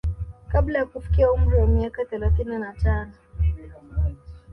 Kabla ya kufikia umri wa miaka thelathini na tano